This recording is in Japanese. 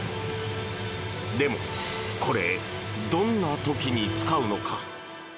でも、これどんな時に使うのか？